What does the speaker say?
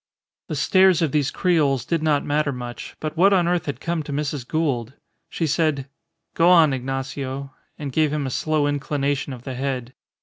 The stares of these creoles did not matter much; but what on earth had come to Mrs. Gould? She said, "Go on, Ignacio," and gave him a slow inclination of the head.